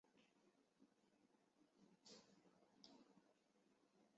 学习契约是设计来解决学习责任的归属问题。